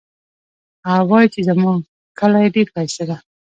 هغه وایي چې زموږ کلی ډېر ښایسته ده